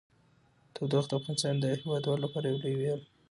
تودوخه د افغانستان د هیوادوالو لپاره یو لوی ویاړ دی.